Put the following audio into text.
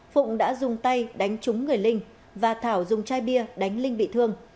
phụng đã dùng tay đánh trúng người linh và thảo dùng chai bia đánh linh bị thương